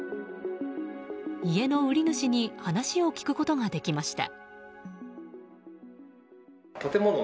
家の売主に話を聞くことができました。